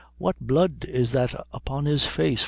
What blood is that upon his face?